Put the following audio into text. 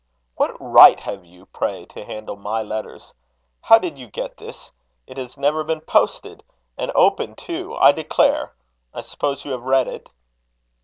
"What right have you, pray, to handle my letters? How did you get this? It has never been posted! And open, too. I declare! I suppose you have read it?"